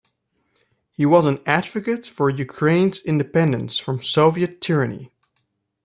He was an advocate for Ukraine's independence from Soviet tyranny.